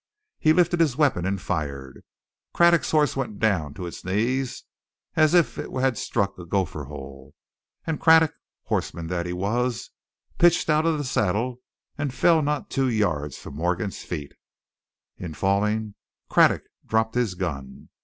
He lifted his weapon and fired. Craddock's horse went down to its knees as if it had struck a gopher hole, and Craddock, horseman that he was, pitched out of the saddle and fell not two yards from Morgan's feet. In falling, Craddock dropped his gun.